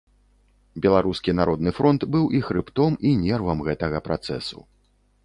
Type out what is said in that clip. Беларускі народны фронт быў і хрыбтом, і нервам гэтага працэсу.